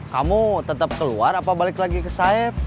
kamu tetap keluar apa balik lagi ke sayap